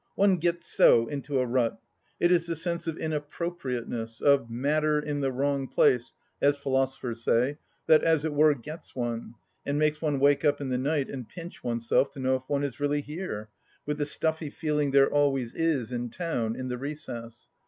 One gets so into a rut. It is the sense of inappropriateness, of matter in the wrong place, as philosophers say, that, as it were, gets one, and makes one wake up in the night and pinch oneself to know if one is really here, with the stuffy feeling there always is in town in the recess.